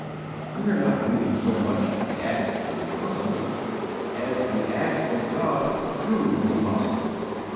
We are not reading so much the Acts of the Apostles as the acts of God through the apostles.